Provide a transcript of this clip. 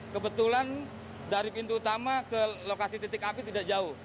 kebetulan dari pintu utama ke lokasi titik api tidak jauh